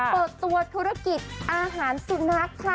เปิดตัวธุรกิจอาหารสุนัขค่ะ